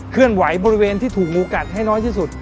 เคลื่อนไหวบริเวณที่ถูกงูกัดให้น้อยที่สุด